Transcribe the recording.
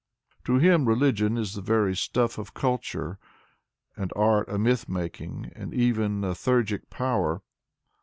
To him religion is the very stuff of culture, and art a myth making, and even a theurgic power.